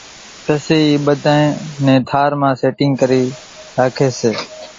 پسي اِي ٻڌانئين نين ٿار مان سيٽيگ ڪرين راکي سي۔